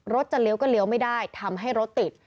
จะเลี้ยวก็เลี้ยวไม่ได้ทำให้รถติด